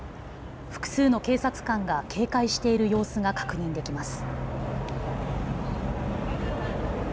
複数の警察官が警戒している様子が確認できます。